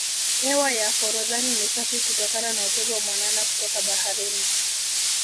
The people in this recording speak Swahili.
hewa ya forodhani ni safi kutokana na upepo mwanana kutoka baharini